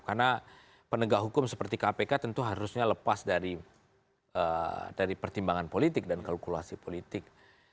karena penegak hukum seperti kpk tentu harusnya lepas dari pertimbangan politik dan kalkulasi politik